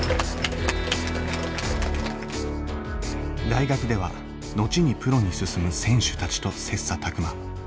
大学では後にプロに進む選手たちと切磋琢磨。